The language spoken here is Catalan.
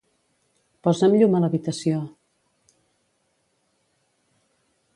Posa'm llum a l'habitació.